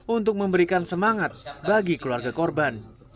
untuk memberikan semangat bagi keluarga korban